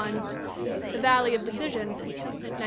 The Valley of Decision, 1902.